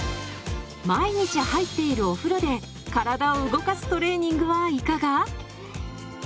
毎日入っているお風呂で体を動かすトレーニングはいかが？